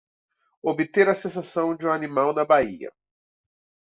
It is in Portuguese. Obter a sensação de um animal na baía!